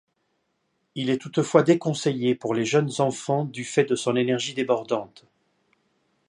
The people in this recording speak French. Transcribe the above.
Il est toutefois déconseillé pour les jeunes enfants du fait de son énergie débordante.